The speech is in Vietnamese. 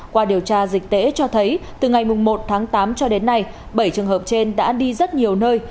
qua điều tra dịch tễ cho thấy từ ngày một tháng tám cho đến nay bảy trường hợp trên đã đi rất nhiều nơi